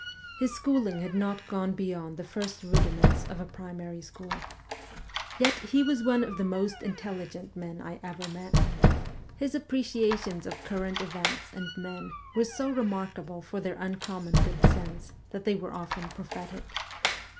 His schooling had not gone beyond the first rudiments of a primary school. Yet he was one of the most intelligent men I ever met. His appreciations of current events and men were so remarkable for their uncommon good sense that they were often prophetic.